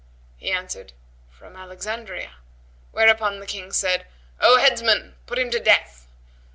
He answered, "From Alexandria;" whereupon the King said, "O headsman, put him to death."